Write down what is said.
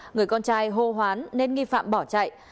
người con trai hô hoán nên nghi phạm bỏ chạy